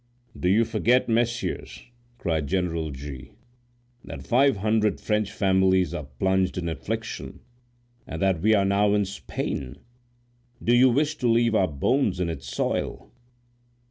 "Do you forget, messieurs," cried General G—t—r, "that five hundred French families are plunged in affliction, and that we are now in Spain? Do you wish to leave our bones in its soil?"